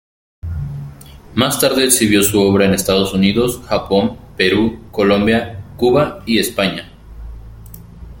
Más tarde exhibió su obra en Estados Unidos, Japón, Perú, Colombia, Cuba y España.